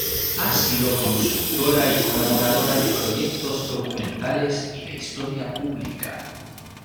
Ha sido consultora y colaboradora de proyectos documentales y de historia pública.